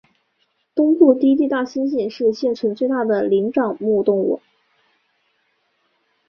东部低地大猩猩是现存最大的灵长目动物。